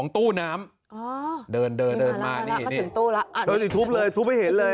เถอะที่ทุบเลยทุบให้เห็นเลย